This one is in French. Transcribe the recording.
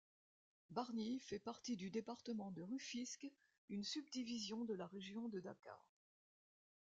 Bargny fait partie du département de Rufisque, une subdivision de la région de Dakar.